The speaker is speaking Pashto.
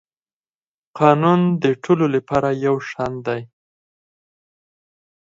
قانون د ټولو لپاره یو شان دی.